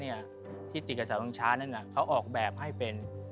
ที่ติดกับทรงชาฮิรวรรณนั้นเขาออกแบบให้เป็น